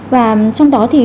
và trong đó thì